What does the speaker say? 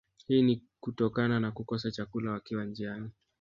Hii ni kutokana na kukosa chakula wakiwa njiani